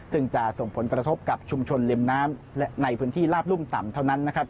ซึ่งจะส่งผลกระทบกับชุมชนลิมน้ำในพื้นที่ราบรุ่งต่ำเท่านั้น